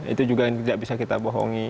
itu juga yang tidak bisa kita bohongi